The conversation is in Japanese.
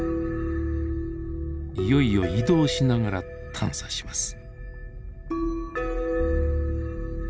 いよいよ移動しながら探査します。